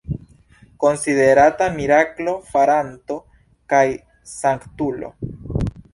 Konsiderata miraklo-faranto kaj sanktulo.